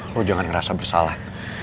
lo jangan ngerasa bersalah